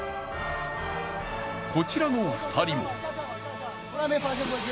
こちらの２人も。